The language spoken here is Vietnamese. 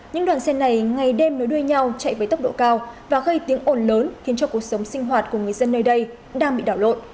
những đoàn xe này ngày đêm nối đuôi nhau chạy với tốc độ cao và gây tiếng ồn lớn khiến cho cuộc sống sinh hoạt của người dân nơi đây đang bị đảo lộn